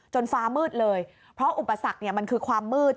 ฟ้ามืดเลยเพราะอุปสรรคมันคือความมืด